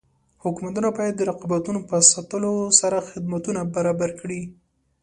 حکومتونه باید د رقابتونو په ساتلو سره خدمتونه برابر کړي.